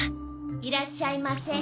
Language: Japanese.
いらっしゃいませ。